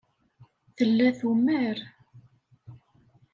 Tella tumar.